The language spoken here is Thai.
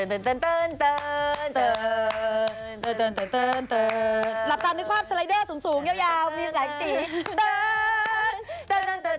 หลับตามนึกภาพสไลเดอร์สูงยาวมีหลักติด